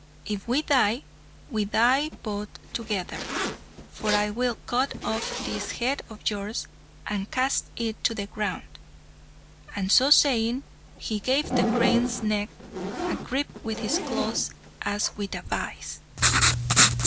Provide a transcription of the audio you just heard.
If we die, we die both together; for I will cut off this head of yours, and cast it to the ground!" And so saying, he gave the crane's neck a grip with his claws, as with a vice.